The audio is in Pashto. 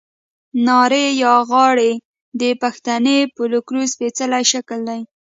نارې یا غاړې د پښتني فوکلور سپېڅلی شکل دی.